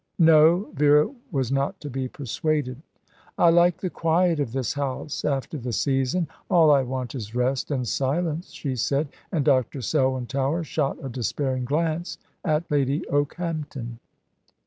No. Vera was not to be persuaded. "I like the quiet of this home after the season. All I want is rest and silence," she said, and Dr. Selwyn Tower shot a despairing glance at Lady Okehampton.